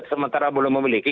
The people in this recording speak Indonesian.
sementara belum memiliki